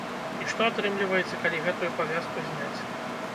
І што атрымліваецца, калі гэтую павязку зняць.